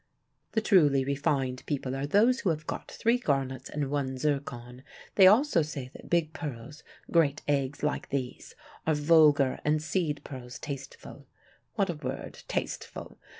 The truly refined people are those who have got three garnets and one zircon. They also say that big pearls, great eggs like these, are vulgar and seed pearls tasteful. What a word, 'tasteful'!